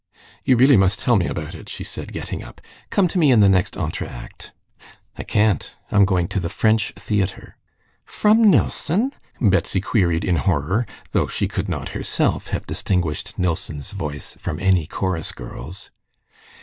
"You really must tell me about it," she said, getting up. "Come to me in the next entr'acte." "I can't; I'm going to the French theater." "From Nilsson?" Betsy queried in horror, though she could not herself have distinguished Nilsson's voice from any chorus girl's.